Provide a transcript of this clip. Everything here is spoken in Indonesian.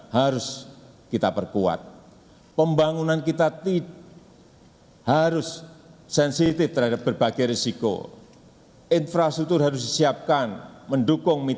harus mencapai kepentingan